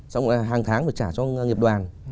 xong rồi hàng tháng phải trả cho nghiệp đoàn